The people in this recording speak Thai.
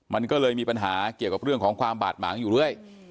มันก็เลยมีปัญหาเกี่ยวกับเรื่องของความบาดหมางอยู่เรื่อย